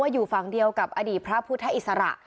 อยู่ฝั่งเดียวกับอดีตพระพุทธอิสระ